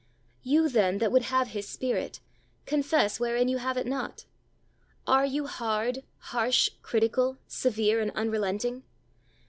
You, then, that would have His Spirit, confess wherein you have it not. Are you hard, harsh, critical, severe and unrelenting?